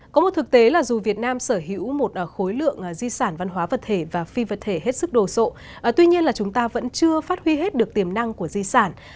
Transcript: có một thực tế là dù việt nam sở hữu một khối lượng di sản văn hóa vật thể và phi vật thể hết sức đồ sộ tuy nhiên là chúng ta vẫn chưa phát huy hết được tiềm năng của di sản